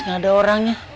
nggak ada orangnya